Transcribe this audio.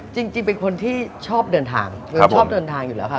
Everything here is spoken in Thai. จริงเป็นคนที่ชอบเดินทางชอบเดินทางอยู่แล้วค่ะ